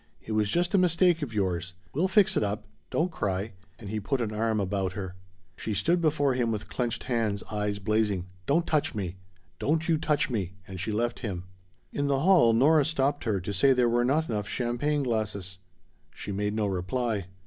It was just a mistake of yours. We'll fix it up. Don't cry." And he put an arm about her. She stood before him with clenched hands, eyes blazing. "Don't touch me! Don't you touch me!" And she left him. In the hall Nora stopped her to say there were not enough champagne glasses. She made no reply.